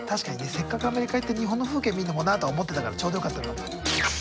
せっかくアメリカ行って日本の風景見るのもなと思ってたからちょうどよかったかも。